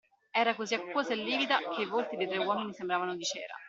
Era così acquosa e livida che i volti dei tre uomini sembravano di cera.